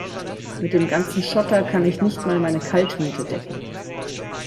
Mit dem ganzen Schotter kann ich nicht mal meine Kaltmiete decken.